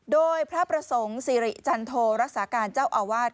โดยพระประสงค์สิริจันโทรักษาการเจ้าอาวาส